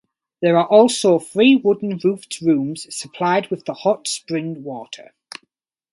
There are also three wooden roofed rooms supplied with the hot spring water.